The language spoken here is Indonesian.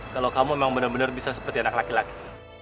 kalau kamu memang benar benar bisa seperti anak laki laki